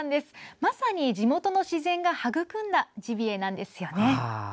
まさに地元の自然がはぐくんだジビエなんですよね。